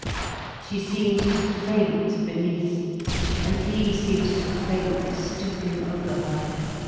She seemed to faint beneath, and he seemed to faint, stooping over her.